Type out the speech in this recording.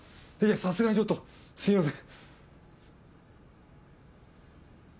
さすがにちょっとすみません。